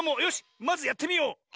よしまずやってみよう！